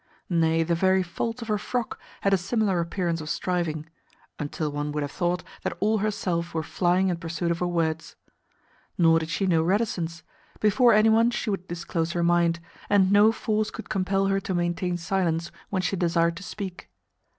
Nay, the very folds of her frock had a similar appearance of striving; until one would have thought that all her self were flying in pursuit of her words. Nor did she know reticence: before any one she would disclose her mind, and no force could compel her to maintain silence when she desired to speak.